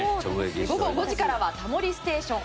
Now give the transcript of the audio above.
午後５時からは「タモリステーション」。